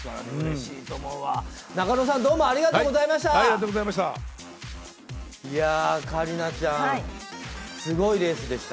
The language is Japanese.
中野さん、どうもありがとうございました。